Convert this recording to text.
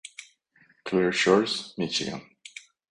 Clair Shores, Míchigan.